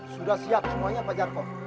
sudah siap semuanya pak jarko